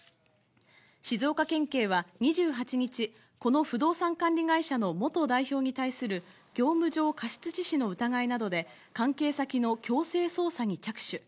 静岡県警は２８日、この不動産管理会社の元代表に対する業務上過失致死の疑いなどで、関係先の強制捜査に着手。